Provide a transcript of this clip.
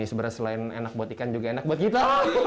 sebenarnya selain enak buat ikan juga enak buat kita